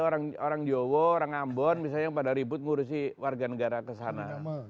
iya gak akan ada orang jawa orang ambon misalnya yang pada ribut ngurusi warganegara keseluruhan negara